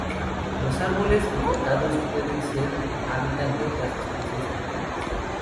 Los árboles infectados pueden ser hábitat de otras especies atraídas.